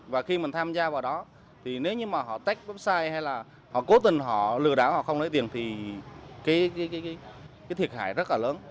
và khi mình tham gia vào đó nếu như họ tách website hay là họ cố tình lừa đảo không lấy tiền thì thiệt hại rất là lớn